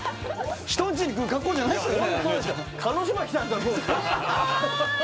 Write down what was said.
人んちに来る格好じゃないっすよね